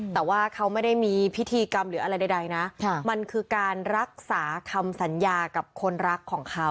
แต่ว่าเขาไม่ได้มีพิธีกรรมหรืออะไรใดนะมันคือการรักษาคำสัญญากับคนรักของเขา